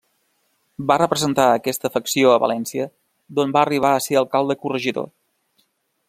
Va representar a aquesta facció a València d'on va arribar a ser Alcalde corregidor.